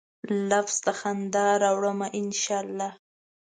لفظ ته خندا راوړمه ، ان شا الله